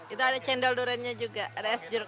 itu ada cendol duriannya juga ada es jeruk